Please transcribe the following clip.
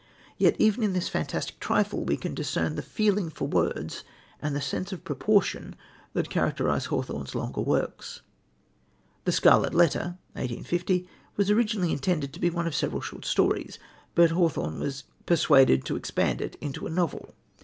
Yet even in this fantastic trifle we can discern the feeling for words and the sense of proportion that characterise Hawthorne's longer works. The Scarlet Letter (1850) was originally intended to be one of several short stories, but Hawthorne was persuaded to expand it into a novel.